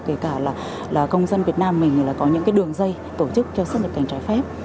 kể cả là công dân việt nam mình là có những đường dây tổ chức cho xuất nhập cảnh trái phép